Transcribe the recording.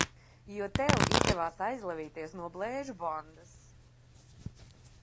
Jo tev izdevās aizlavīties no Blēžu bandas!